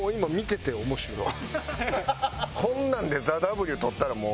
こんなんでＴＨＥＷとったらもう。